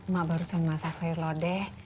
mak baru saja memasak sayur lo deh